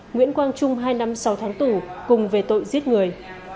nguyễn quang trung hai năm sáu tháng tù cùng về tội giết người